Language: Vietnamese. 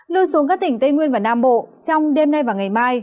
lưu xuống các tỉnh tây nguyên và nam bộ trong đêm nay và ngày mai